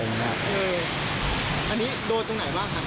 อันนี้โดนตรงไหนบ้างครับ